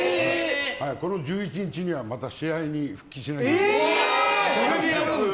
この１１日にはまた試合に復帰しなきゃいけない。